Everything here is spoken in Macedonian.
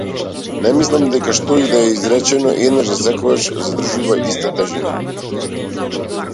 Не мислам дека што и да е изречено еднаш за секогаш задржува иста тежина.